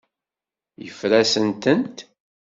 Yeffer-asent-tent.